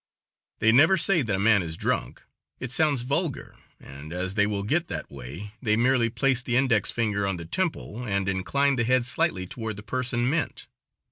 They never say that a man is drunk; it sounds vulgar, and, as they will "get that way," they merely place the index finger on the temple and incline the head slightly toward the person meant.